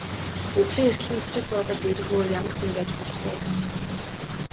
Өглөө эртлэн зочид буудалд ирэх өөр ямар хүн байж болох вэ?